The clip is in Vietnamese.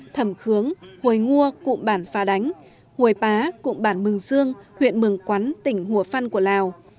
thẩm khướng hồi ngua cụm bản pha đánh hồi pá cụm bản mừng dương huyện mừng quắn tỉnh hùa phăn của lào